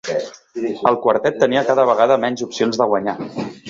El quartet tenia cada vegada menys opcions de guanyar.